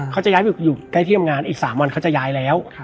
ใกล้ที่ทำงานอีก๓วันเขาจะย้ายแล้ว